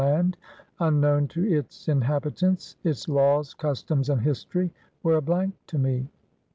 101 land, unknown to its inhabitants ; its laws, customs and history were a blank to me.